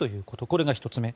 これが１つ目。